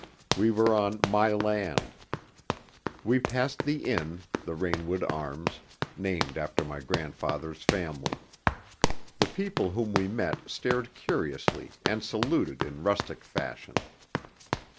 We were on my land. We passed the inn, the Rainwood Arms, named after my grandfather's family. The people whom we met stared curiously and saluted in rustic fashion.